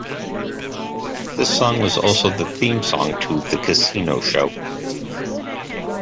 This song was also the theme song to "The Casino" show.